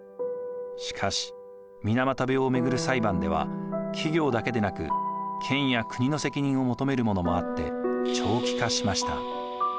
しかし水俣病を巡る裁判では企業だけでなく県や国の責任を求めるものもあって長期化しました。